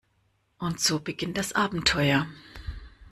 Und so beginnt das Abenteuer.